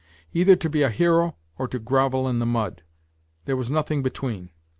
Either to be a hero or to grovel in the mud there was nothing between.